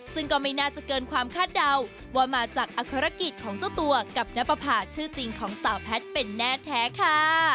ซึ่งก็ไม่น่าจะเกินความคาดเดาว่ามาจากอัครกิจของเจ้าตัวกับณปภาชื่อจริงของสาวแพทย์เป็นแน่แท้ค่ะ